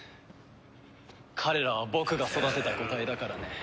彼らは僕が育てた個体だからね。